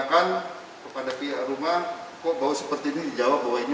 bg mengaku bau menyengat berasal dari selokan